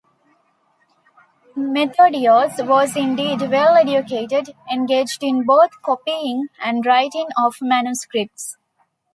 Methodios was indeed well-educated; engaged in both copying and writing of manuscripts.